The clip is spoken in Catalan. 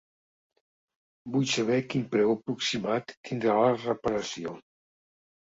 Vull saber quin preu aproximat tindrà la reparació.